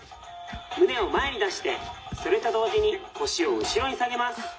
胸を前に出してそれと同時に腰を後ろに下げます。